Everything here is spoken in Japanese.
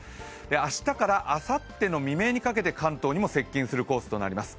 明日からあさっての未明にかけて関東にも接近するコースとなります。